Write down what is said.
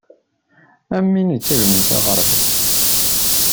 Am wi ittagmen s uɣerbal.